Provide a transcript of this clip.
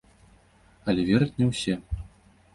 Але вераць не ўсе.